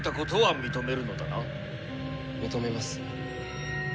認めます。